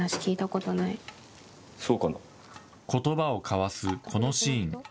ことばを交わすこのシーン。